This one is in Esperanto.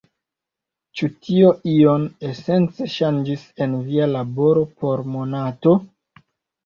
Ĉu tio ion esence ŝanĝis en via laboro por Monato?